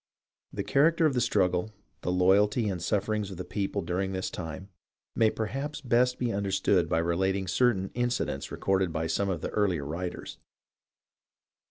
The character of the struggle, the loyalty and sufferings of the people during this time, may perhaps best be understood by relating certain incidents recorded by some of the earlier writers.